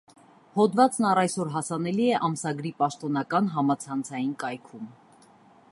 Հոդավծն առ այսօր հասանելի է ամսագրի պաշտոնական համացանցային կայքում։